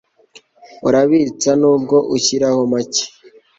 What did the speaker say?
Urabitsa nubwo ushyiraho macye